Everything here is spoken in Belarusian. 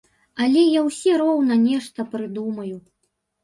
Але я ўсе роўна нешта прыдумаю.